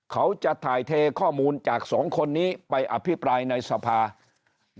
เขาจะถ่ายเทข้อมูลจากสองคนนี้ไปอภิปรายในสภา